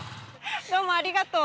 どうもありがとう。